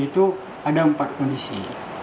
di situ ada empat kondisi